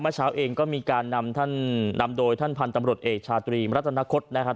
เมื่อเช้าเองก็มีการนำโดยท่านพันธ์ตำรวจเอกชาตรีมรัฐนาคตนะครับ